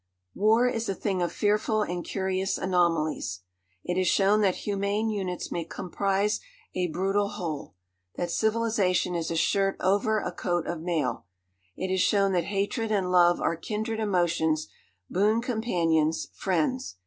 War is a thing of fearful and curious anomalies. It has shown that humane units may comprise a brutal whole; that civilisation is a shirt over a coat of mail. It has shown that hatred and love are kindred emotions, boon companions, friends.